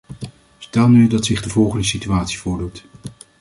Stel nu dat zich de volgende situatie voordoet.